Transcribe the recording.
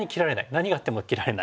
何があっても切られない。